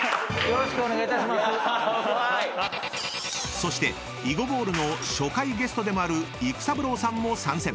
［そして囲碁ボールの初回ゲストでもある育三郎さんも参戦］